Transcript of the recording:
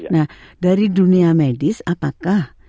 nah dari dunia medis apakah